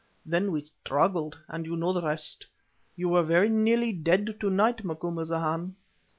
Then we struggled, and you know the rest. You were very nearly dead to night, Macumazahn."